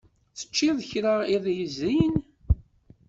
Teččiḍ kra iḍ yezrin?